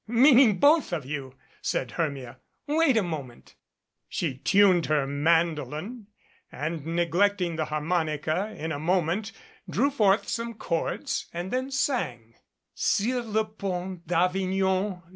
"Meaning both of you," said Hermia. "Wait a mo ment." She tuned her mandolin, and, neglecting the harmon ica, in a moment drew forth some chords and then sang: "Sur le pont cT Avignon I?